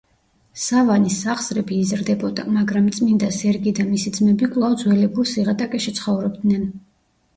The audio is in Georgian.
სავანის სახსრები იზრდებოდა, მაგრამ წმინდა სერგი და მისი ძმები კვლავ ძველებურ სიღატაკეში ცხოვრობდნენ.